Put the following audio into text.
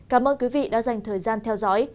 cảm ơn quý vị đã dành thời gian theo dõi